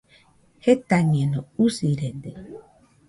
Jetañeno, usirede